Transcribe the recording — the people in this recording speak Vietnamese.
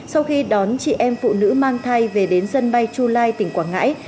sau khi đón chị em phụ nữ mang thai về đến sân bay july tỉnh quảng ngãi